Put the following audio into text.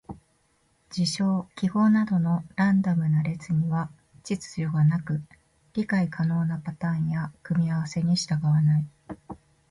事象・記号などのランダムな列には秩序がなく、理解可能なパターンや組み合わせに従わない。